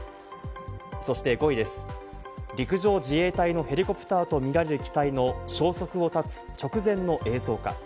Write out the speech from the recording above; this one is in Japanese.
そして５位です、陸上自衛隊のヘリコプターとみられる機体の消息を絶つ直前の映像が。